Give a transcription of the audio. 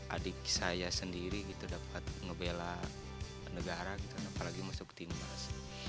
adik saya sendiri dapat membela negara apalagi masuk timnas